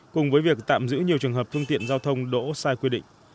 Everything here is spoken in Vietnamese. cùng với việc tạm giữ nhiều trường hợp phương tiện giao thông đỗ sai quy định